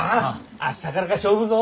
明日からが勝負ぞ！